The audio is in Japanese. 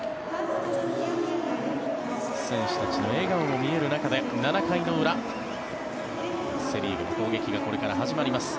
選手たちの笑顔も見える中で７回の裏、セ・リーグの攻撃がこれから始まります。